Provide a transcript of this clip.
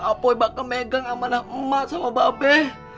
apa yang bakal megang amanah emak sama mbak be